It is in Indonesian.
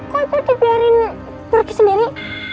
kok aku dibiarin pergi sendiri